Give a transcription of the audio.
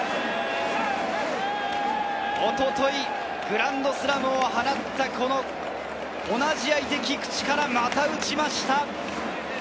一昨日、グランドスラムを放った同じ相手、菊地からまた打ちました。